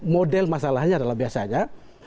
model masalahnya adalah biasanya